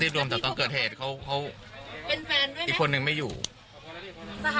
รู้จักเขามานานไหมครับไม่รู้ครับ